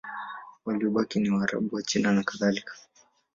Waliobaki ni Waarabu, Wachina nakadhalika.